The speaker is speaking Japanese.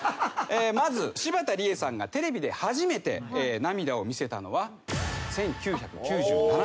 まず柴田理恵さんがテレビで初めて涙を見せたのは１９９７年。